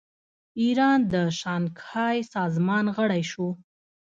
ایران د شانګهای سازمان غړی شو.